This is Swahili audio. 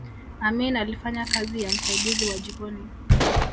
amin alifanya kazi ya msaidizi wa jikoni